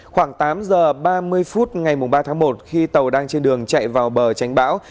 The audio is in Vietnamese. khoảng tám giờ ba mươi phút ngày ba tháng một khi tàu đang trên đường chạy vào bờ tránh bão